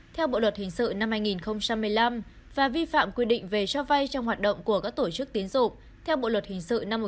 theo bộ luật hình sự năm hai nghìn một mươi năm và vi phạm quy định về cho vay trong hoạt động của các tổ chức tiến dụng theo bộ luật hình sự năm một nghìn chín trăm bảy mươi